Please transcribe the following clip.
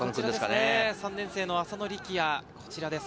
３年生の浅野力愛、こちらです。